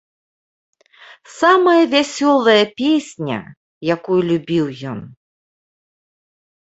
Самая вясёлая песня, якую любіў ён.